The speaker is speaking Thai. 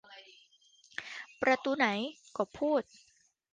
'ประตูไหน ?' กบพูด